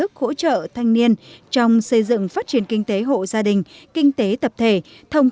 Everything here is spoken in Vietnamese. hỗ trợ thanh niên trong xây dựng phát triển kinh tế hộ gia đình kinh tế tập thể thông